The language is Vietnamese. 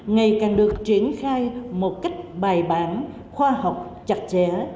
ngày càng được triển khai một cách bài bản khoa học chặt chẽ